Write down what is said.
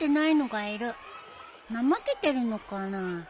怠けてるのかなあ。